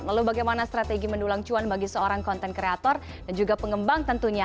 lalu bagaimana strategi mendulang cuan bagi seorang konten kreator dan juga pengembang tentunya